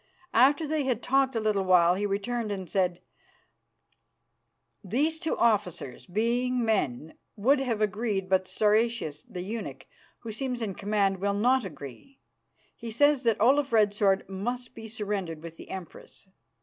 After they had talked a little while he returned and said, "Those two officers, being men, would have agreed, but Stauracius, the eunuch, who seems in command, will not agree. He says that Olaf Red Sword must be surrendered with the Empress.